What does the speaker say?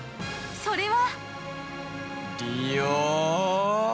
それは◆